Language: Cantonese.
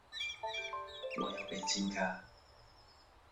我有俾錢嫁